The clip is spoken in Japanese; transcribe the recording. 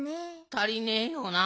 たりねえよな。